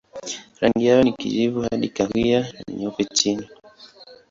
Rangi yao ni kijivu hadi kahawia na nyeupe chini.